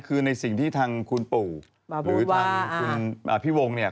คือในสิ่งที่ทางคุณปู่หรือทางคุณพี่วงเนี่ย